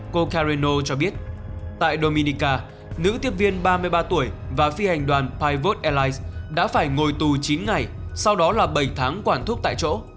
cô careno cho biết tại dominica nữ tiếp viên ba mươi ba tuổi và phi hành đoàn pivos airlines đã phải ngồi tù chín ngày sau đó là bảy tháng quản thuốc tại chỗ